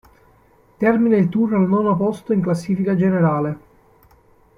Termina il Tour al nono posto in classifica generale.